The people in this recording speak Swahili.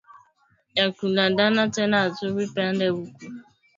Bya ku landana tena atubi pende uku